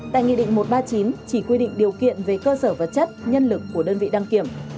tại nghị định một trăm ba mươi chín chỉ quy định điều kiện về cơ sở vật chất nhân lực của đơn vị đăng kiểm